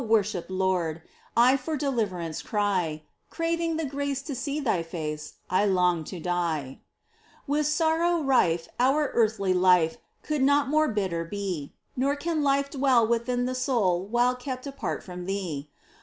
worshipped Lord, I for deliverance cry ! Craving the grace to see Thy face, I long to die ! With sorrow rife, our earthly life Could not more bitter be. Nor can life dM^ell within the soul While kept apart from Thee